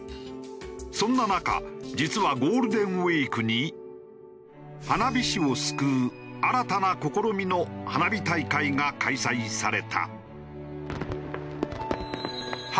そんな中実はゴールデンウィークに花火師を救う新たな試みの花火大会が開催された。